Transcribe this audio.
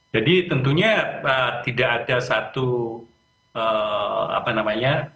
jadi tentunya tidak ada satu apa namanya